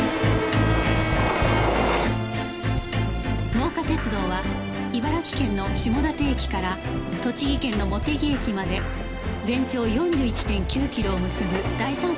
真岡鐵道は茨城県の下館駅から栃木県の茂木駅まで全長 ４１．９ キロを結ぶ第三セクターの路線である